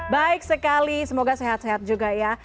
baik sekali semoga sehat sehat juga ya